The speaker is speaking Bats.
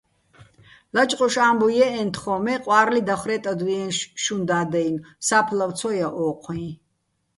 ლაჭყუშ ა́მბუჲ ჲე́ჸეჼ თხო́́ჼ, მე ყვა́რლი დახვრე́ტადვიე შუჼ და́დ-აჲნო̆, სა́ფლავ ცო ჲა ო́ჴუიჼ.